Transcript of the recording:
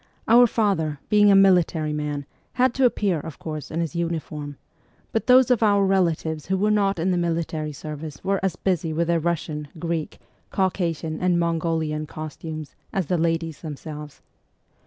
Our father, being a military man, had to appear, of course, in his uniform; but those of our relatives who were not in the military service were as busy with their Russian, Greek, Caucasian, and Mongolian costumes, as the ladies themselves.